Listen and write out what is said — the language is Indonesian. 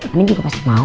andin juga pasti mau